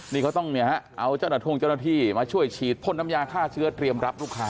นี่เขาต้องเนี่ยฮะเอาเจ้าหน้าที่มาช่วยฉีดพ่นน้ำยาฆ่าเชื้อเตรียมรับลูกค้า